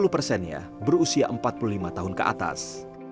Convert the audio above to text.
lima puluh persennya berusia empat puluh lima tahun ke atas